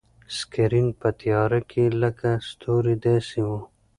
سکرین په تیاره کې لکه ستوری داسې و.